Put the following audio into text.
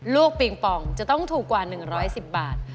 ปิงปองจะต้องถูกกว่า๑๑๐บาท